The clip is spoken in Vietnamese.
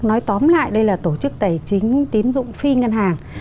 nói tóm lại đây là tổ chức tài chính tín dụng phi ngân hàng